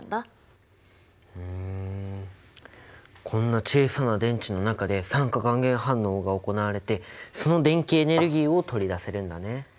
こんな小さな電池の中で酸化還元反応が行われてその電気エネルギーを取り出せるんだね。